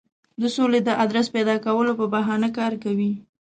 د سولې د آدرس پیدا کولو په بهانه کار کوي.